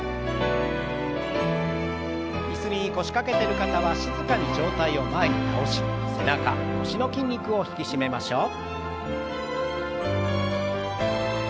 椅子に腰掛けてる方は静かに上体を前に倒し背中腰の筋肉を引き締めましょう。